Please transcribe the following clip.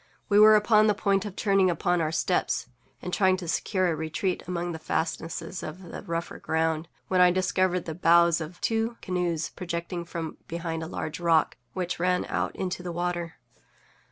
We were upon the point of turning upon our steps, and trying to secure a retreat among the fastnesses of the rougher ground, when I discovered the bows of two canoes projecting from behind a large rock which ran out into the water.